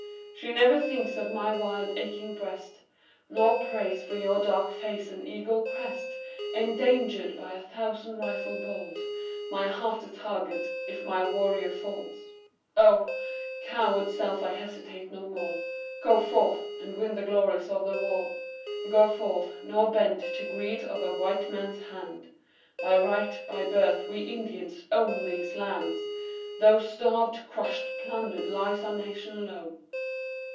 She never thinks of my wild aching breast, Nor prays for your dark face and eagle crest Endangered by a thousand rifle balls, My heart the target if my warrior falls. O! coward self I hesitate no more; Go forth, and win the glories of the war. Go forth, nor bend to greed of white men's hands, By right, by birth we Indians own these lands, Though starved, crushed, plundered, lies our nation low...